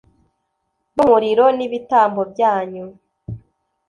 n umuriro n ibitambo byanyu